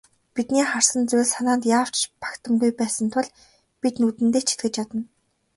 Бидний харсан зүйл санаанд яавч багтамгүй байсан тул бид нүдэндээ ч итгэж ядна.